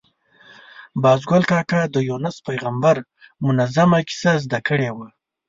باز ګل کاکا د یونس پېغمبر منظمومه کیسه زده کړې وه.